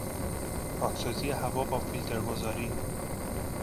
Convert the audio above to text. پاکسازی هوا با فیلتر گذاری